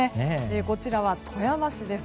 こちらは富山市です。